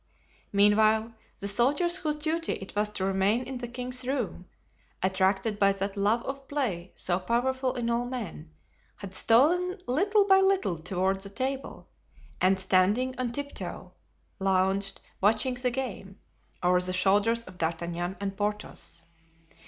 Meanwhile, the soldiers whose duty it was to remain in the king's room, attracted by that love of play so powerful in all men, had stolen little by little toward the table, and standing on tiptoe, lounged, watching the game, over the shoulders of D'Artagnan and Porthos.